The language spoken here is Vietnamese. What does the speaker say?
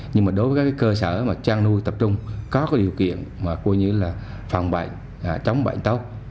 nhưng mà đối với các cơ sở mà chăn nuôi tập trung có điều kiện như phòng bệnh chống bệnh tốc